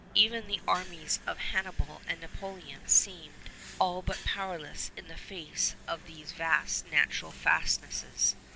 Even the armies of Hannibal and Napoleon seemed all but powerless in the face of these vast natural fastnesses.